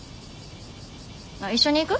あっ一緒に行く？